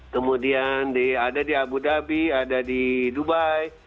kemudian ada di abu dhabi ada di dubai